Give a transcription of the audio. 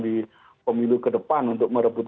di pemilu ke depan untuk merebut